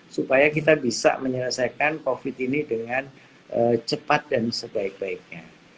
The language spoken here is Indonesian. supaya kita bisa menyelesaikan covid ini dengan cepat dan sebaik baiknya